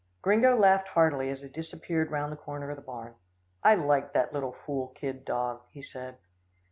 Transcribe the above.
Gringo laughed heartily, as he disappeared round the corner of the barn. "I like that little fool kid dog," he said.